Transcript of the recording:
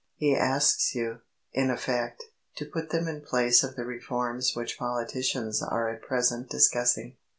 He asks you, in effect, to put them in place of the reforms which politicians are at present discussing.